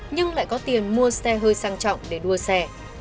nhưng lại có tiền mua xe hơi sang trọng để đua xe